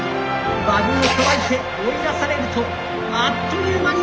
馬群を捉えて追い出されるとあっという間に。